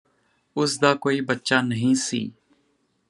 ਉਸ ਦਾ ਕੋਈ ਬੱਚਾ ਨਹੀਂ ਸੀ